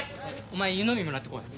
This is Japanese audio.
お前湯飲みもらってこい。